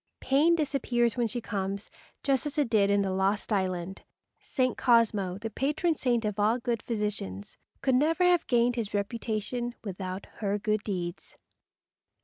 Pain disappears when she comes, just as it did in the lost island. St. Cosmo, the patron saint of all good physicians, could never have gained his reputation without her good deeds.